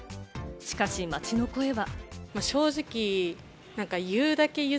しかし、街の声は。